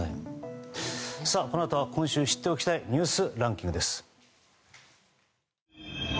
このあとは今週知っておきたいニュースランキングです。